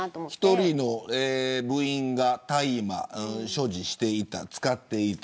１人の部員が大麻を所持して、使っていた。